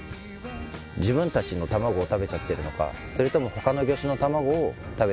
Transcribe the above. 自分たちの卵を食べちゃってるのかそれとも他の魚種の卵を食べてるのか。